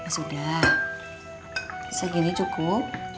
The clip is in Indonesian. sudah segini cukup